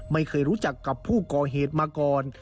ไม่เคยรู้จักกับผู้ก่อเหตุมาก่อน